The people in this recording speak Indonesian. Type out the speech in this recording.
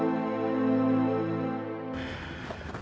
bita paling heran sekali